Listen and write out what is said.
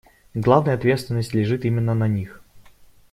Главная ответственность лежит именно на них.